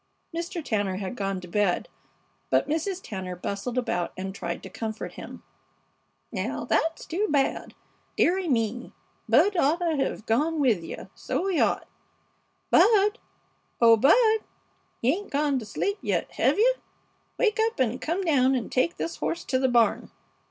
Mr. Tanner had gone to bed, but Mrs. Tanner bustled about and tried to comfort him. "Now that's too bad! Dearie me! Bud oughta hev gone with you, so he ought. Bud! Oh, Bud, you 'ain't gonta sleep yet, hev you? Wake up and come down and take this horse to the barn."